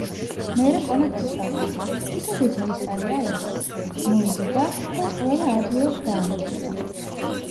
მერე კონა დაშალა, თითო-თითო ისარი აიღო, მოზიდა და ყველა ადვილად დაამტვრია.